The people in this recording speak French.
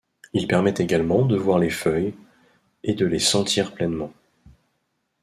Il permet également de voir les feuilles, et de les sentir pleinement.